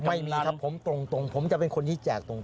ไม่มีครับผมตรงผมจะเป็นคนที่แจกตรง